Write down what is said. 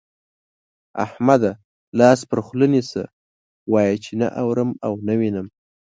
احمده! لاس پر خوله نيسه، وايه چې نه اورم او نه وينم.